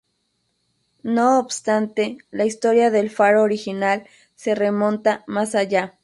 No obstante, la historia del faro original se remonta más allá.